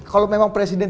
kalau memang presiden